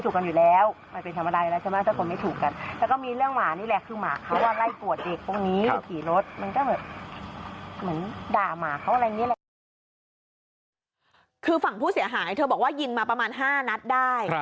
คือฝั่งผู้เสียหายเธอบอกว่ายิงมาประมาณ๕นัดได้